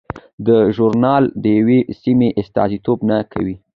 دا ژورنال د یوې سیمې استازیتوب نه کوي.